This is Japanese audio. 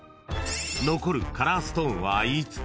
［残るカラーストーンは５つ］